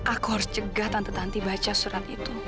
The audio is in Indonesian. aku harus cegah tante tante baca surat itu